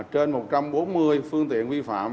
trên một trăm bốn mươi phương tiện vi phạm